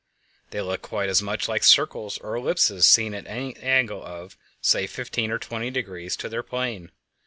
They look quite as much like circles or ellipses seen at an angle of, say, fifteen or twenty degrees to their plane.